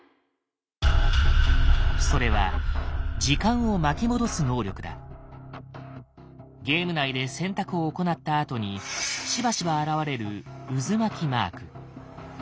それはゲーム内で選択を行ったあとにしばしば現れる「渦巻きマーク」。